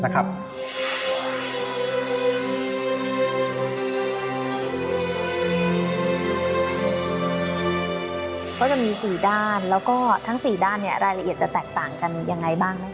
ก็จะมี๔ด้านแล้วก็ทั้ง๔ด้านรายละเอียดจะแตกต่างกันยังไงบ้าง